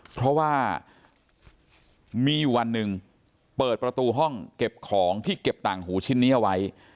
เพราะว่ามีอยู่วันหนึ่งเปิดประตูห้องเก็บของที่เก็บต่างหูชิ้นนี้เอาไว้